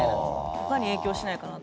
ほかに影響しないかなと。